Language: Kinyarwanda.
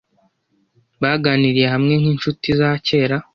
Baganiriye hamwe nkinshuti za kera.